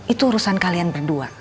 itu urusan kalian berdua